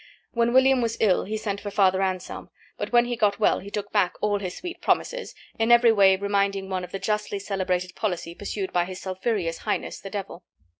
When William was ill he sent for Father Anselm, but when he got well he took back all his sweet promises, in every way reminding one of the justly celebrated policy pursued by His Sulphureous Highness the Devil.